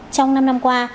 trong năm năm qua